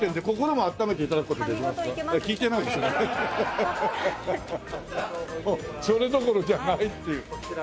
もうそれどころじゃないっていう。